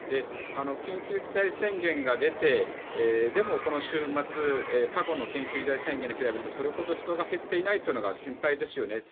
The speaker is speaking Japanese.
緊急事態宣言が出てでも、この週末過去の緊急事態宣言に比べるとそれほど人が減っていないというのが心配ですよね。